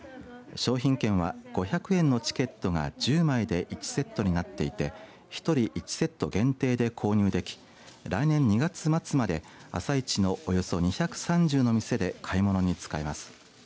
商品券は５００円のチケットが１０枚で１セットになっていて１人１セット限定で購入でき来年２月末まで朝市のおよそ２３０の店で買い物に使えます。